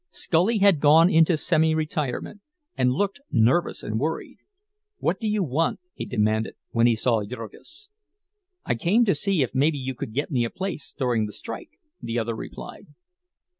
Scully had gone into semi retirement, and looked nervous and worried. "What do you want?" he demanded, when he saw Jurgis. "I came to see if maybe you could get me a place during the strike," the other replied.